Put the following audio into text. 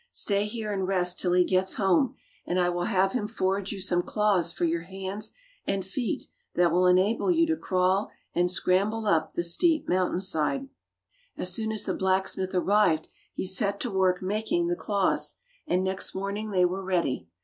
Stay here and rest till he gets home, and I will have him forge you some claws for your hands and feet that will enable you to crawl and scramble up the steep mountain side." 136 Fairy Tale Bears As soon as the blacksmith arrived he set to work making the claws, and next morning they were ready.